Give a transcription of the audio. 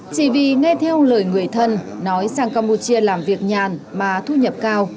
chỉ vì nghe theo lời người thân nói sang campuchia làm việc nhàn mà thu nhập cao